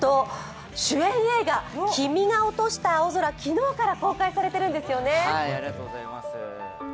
なんと主演映画「君が落とした青空」、昨日から公開されてるんですよね。